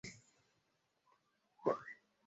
Haguruka icyarimwe, cyangwa uzabura bisi